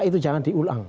itu jangan diulang